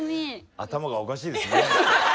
頭がおかしいですね。